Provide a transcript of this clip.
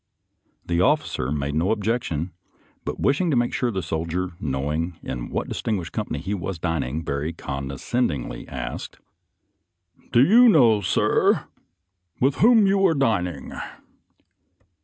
The officer made no ob jection, but wishing to make sure of the soldier knowing in what distinguished company he was dining, very condescendingly asked, " Do you know, sir, with whom you are din ing."